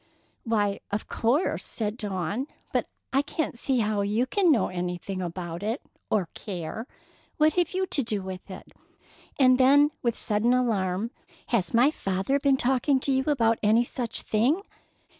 "Why, of course," said Dawn; "but I can't see how you can know anything about it, or care. What have you to do with it?" And then with sudden alarm, "Has my father been talking to you about any such thing?"